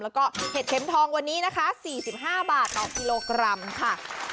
แล้วก็เห็ดเข็มทองวันนี้นะคะ๔๕บาทต่อกิโลกรัมค่ะ